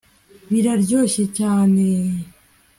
biroroshye cyane